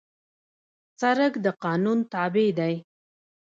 سړک د قانون تابع دی.